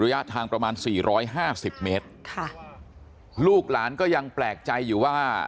ระยะทางประมาณ๔๕๐เมตรลูกหลานก็ยังแปลกใจอยู่ว่า